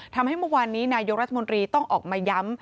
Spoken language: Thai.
เมื่อวานนี้นายกรัฐมนตรีต้องออกมาย้ำ